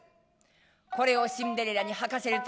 これをシンデレラにはかせると。